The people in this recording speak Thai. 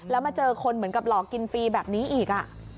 แล้วมาเจอคนเหมือนกับหลอกกินฟรีแบบนี้อีก